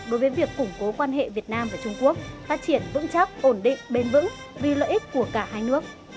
đối với việc củng cố quan hệ việt nam và trung quốc phát triển vững chắc ổn định bền vững vì lợi ích của cả hai nước